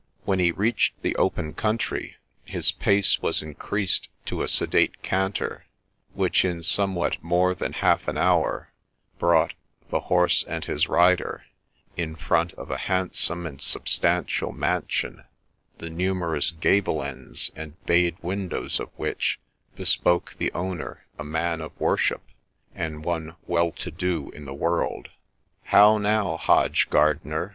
When he reached the open country, his pace was increased to a sedate canter, which, in somewhat more than half an hour, brought ' the horse and his rider ' in front of a hand some and substantial mansion, the numerous gable ends and bayed windows of which bespoke the owner a man of worship, and one well to do in the world. ' How now, Hodge Gardener